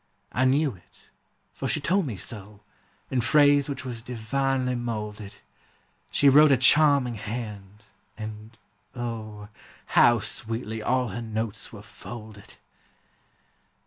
I knew it, for she told me so, In phrase which was divinely moulded; She wrote a charming hand, and O, How sweetly all her notes were folded!